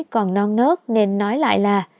còn non nớt nên nói lại là